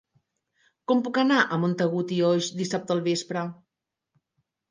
Com puc anar a Montagut i Oix dissabte al vespre?